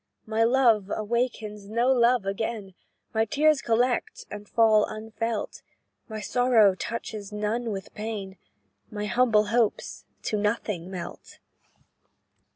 "My love awakes no love again, My tears collect, and fall unfelt; My sorrow touches none with pain, My humble hopes to nothing melt.